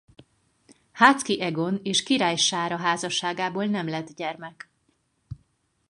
Háczky Egon és Király Sára házasságából nem lett gyermek.